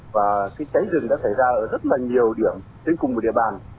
và cái cháy rừng đã xảy ra ở rất là nhiều điểm trên cùng một địa bàn